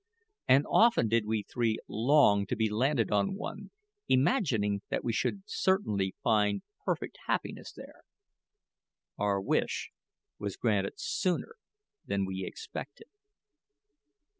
And often did we three long to be landed on one, imagining that we should certainly find perfect happiness there! Our wish was granted sooner than we expected.